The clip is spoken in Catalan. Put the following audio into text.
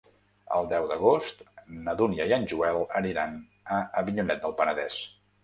El deu d'agost na Dúnia i en Joel aniran a Avinyonet del Penedès.